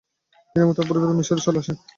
তিনি এবং তার পরিবার মিশরে চলে আসেন।